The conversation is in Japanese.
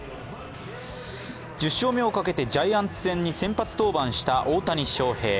１０勝目をかけてジャイアンツ戦に先発登板した大谷翔平。